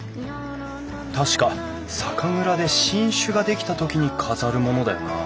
確か酒蔵で新酒ができたときに飾るものだよな。